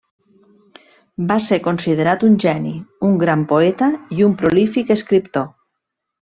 Va ser considerat un geni, un gran poeta i un prolífic escriptor.